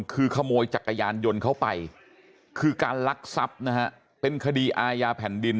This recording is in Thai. คือขโมยจักรยานยนต์เขาไปคือการลักทรัพย์นะฮะเป็นคดีอาญาแผ่นดิน